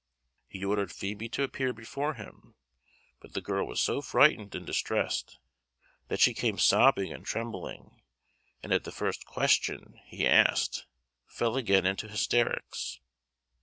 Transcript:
He ordered Phoebe to appear before him; but the girl was so frightened and distressed, that she came sobbing and trembling, and, at the first question he asked, fell again into hysterics.